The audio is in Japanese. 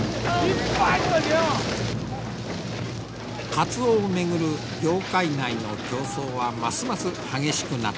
カツオをめぐる業界内の競争はますます激しくなっていく。